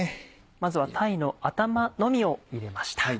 まずは鯛の頭のみを入れました。